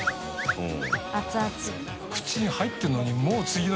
うん。